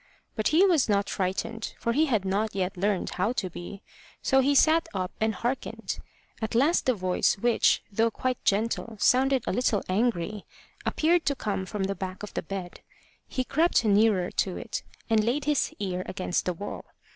But he was not frightened, for he had not yet learned how to be; so he sat up and hearkened. At last the voice, which, though quite gentle, sounded a little angry, appeared to come from the back of the bed. He crept nearer to it, and laid his ear against the wall.